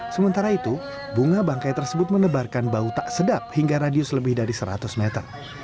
sementara itu bunga bangkai tersebut menebarkan bau tak sedap hingga radius lebih dari seratus meter